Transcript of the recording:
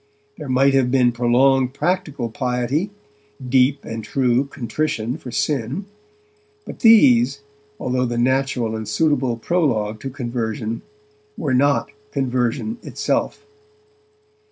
There might have been prolonged practical piety, deep and true contrition for sin, but these, although the natural and suitable prologue to conversion, were not conversion itself.